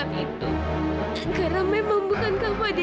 sekarang mila udah siap tante